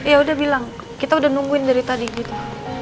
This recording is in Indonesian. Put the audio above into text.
ya udah bilang kita udah nungguin dari tadi gitu